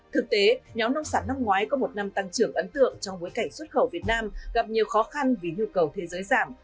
thực tế nhóm nông sản năm ngoái có một năm tăng trưởng ấn tượng trong bối cảnh xuất khẩu việt nam gặp nhiều khó khăn vì nhu cầu thế giới giảm